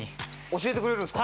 教えてくれるんですか